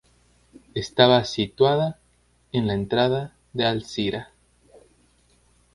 Estaba situada en la entrada de Alcira.